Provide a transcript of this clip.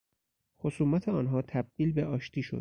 خصومت آنها تبدیل به آشتی شد.